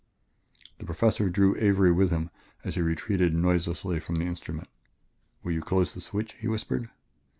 The Professor drew Avery with him as he retreated noiselessly from the instrument. "Will you close the switch," he whispered.